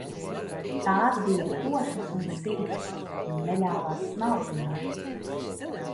Tās bija košas un sīkstas un neļāvās smalcināties.